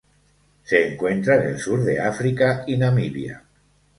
Se encuentra en el sur de África y Namibia.